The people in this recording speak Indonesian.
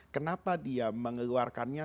kenapa dia mengeluarkannya